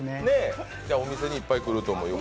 お店にいっぱい来ると思います。